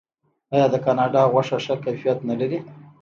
آیا د کاناډا غوښه ښه کیفیت نلري؟